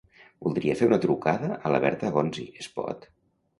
Voldria fer una trucada a la Berta Gonzi, es pot?